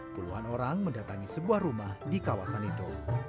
puluhan orang mendatangi sebuah rumah di kawasan itu